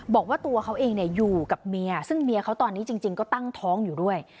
บอกว่าตัวเขาเองอยู่กับเมียซึ่งเมียเขาตอนนี้จริงก็ตั้งท้องอยู่ด้วย